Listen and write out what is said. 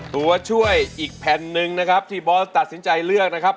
ตัวช่วยอีกแผ่นหนึ่งนะครับที่บอสตัดสินใจเลือกนะครับ